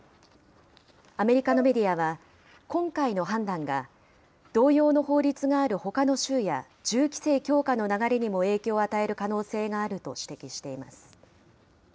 アメリカのメディアは、今回の判断が同様の法律があるほかの州や、銃規制強化の流れにも影響を与える可能性があると指摘しています。